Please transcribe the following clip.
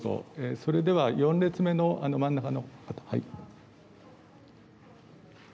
それでは４列目の真ん中の。